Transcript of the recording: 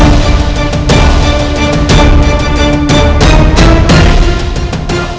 jangan dengarkan dia nanda pram